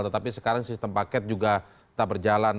tetapi sekarang sistem paket juga tak berjalan